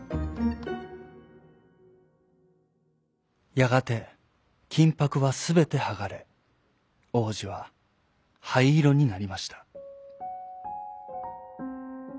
やがてきんぱくはすべてはがれおうじははいいろになりました。